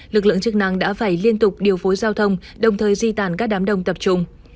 lực lượng chức năng đã phải liên tục điều phối giao thông đồng thời di tản các đám đông tập trung